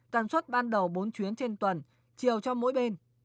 tần suất ban đầu bốn chuyến trên tuần chiều cho mỗi bên